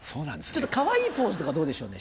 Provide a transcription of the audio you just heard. ちょっとかわいいポーズとかどうでしょうね？